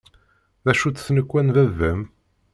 D acu-tt tnekwa n baba-m?